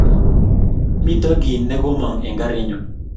Mito kiy ne ko mang eng garinyu